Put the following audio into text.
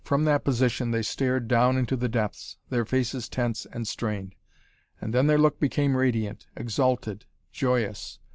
From that position, they stared down into the depths, their faces tense and strained. And then their look became radiant, exalted, joyous.